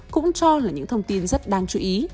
cũng cho là những thông tin rất đáng chú ý